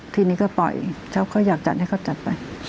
ทีนี้ก็ปล่อยเขาก็อยากจัดให้เขาจัดไป